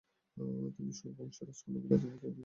তিনি সূর বংশীয় রাজকন্যা বিলাশদেবীকে বিয়ে করেছিলেন।